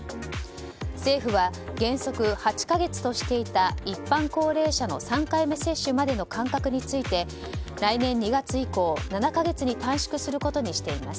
政府は原則８か月としていた一般高齢者の３回目接種までの間隔について来年２月以降、７か月に短縮することにしています。